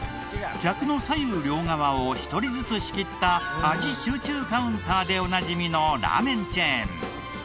客の左右両側を１人ずつ仕切った味集中カウンターでおなじみのラーメンチェーン。